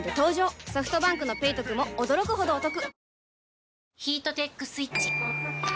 ソフトバンクの「ペイトク」も驚くほどおトク